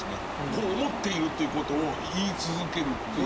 こう思っているってことを言い続けるっていうこと。